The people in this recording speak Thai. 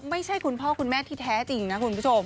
ไม่ใช่คุณพ่อคุณแม่ที่แท้จริงนะคุณผู้ชม